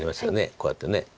こうやって。